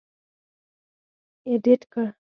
اېډېټ کړ.